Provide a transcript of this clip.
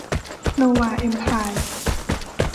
โนวา เอมไพร์